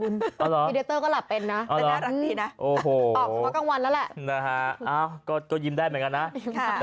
นะฮะก็ยิ้มได้เหมือนกันนะ